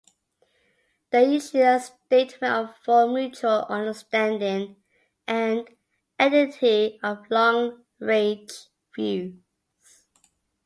They issue a statement of full mutual understanding and identity of long-range views.